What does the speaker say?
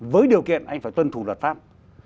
với điều kiện anh phải tuân thủ luật pháp